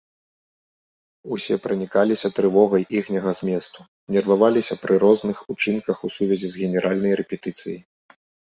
Усе пранікаліся трывогай іхняга зместу, нерваваліся пры розных учынках у сувязі з генеральнай рэпетыцыяй.